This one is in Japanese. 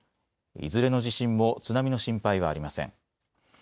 いずれの地震も津波の心配はありません。